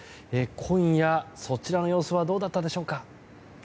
今夜、そちらの様子はどうだったでしょうか？